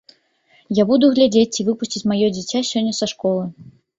Я буду глядзець, ці выпусцяць маё дзіця сёння са школы.